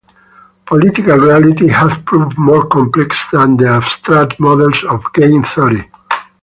Political reality had proved more complex than the abstract models of game theory.